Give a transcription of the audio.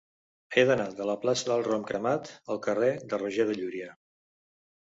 He d'anar de la plaça del Rom Cremat al carrer de Roger de Llúria.